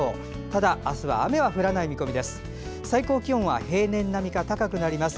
ただ、雨は降らない見込みです。